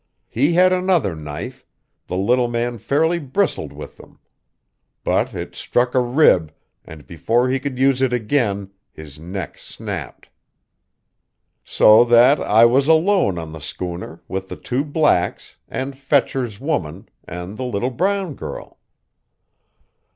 He had another knife the little man fairly bristled with them. But it struck a rib, and before he could use it again, his neck snapped. "So that I was alone on the schooner, with the two blacks, and Fetcher's woman, and the little brown girl.